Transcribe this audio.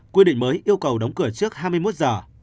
quy định mới yêu cầu đóng cửa trước hai mươi một giờ